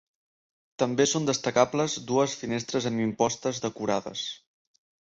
També són destacables dues finestres amb impostes decorades.